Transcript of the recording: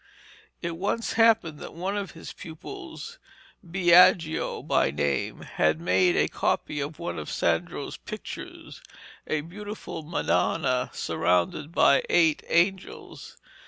It once happened that one of these pupils, Biagio by name, had made a copy of one of Sandro's pictures, a beautiful Madonna surrounded by eight angels.